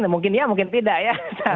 mungkin ya mungkin tidak ya